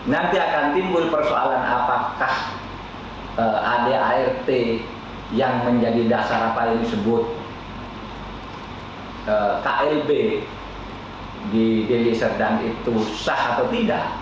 nanti akan timbul persoalan apakah adart yang menjadi dasar apa yang disebut klb di deli serdang itu sah atau tidak